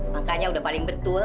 makanya udah paling bertul